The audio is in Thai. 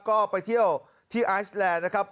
ก็ไปเที่ยวที่ไอซ์แลนด์นะครับ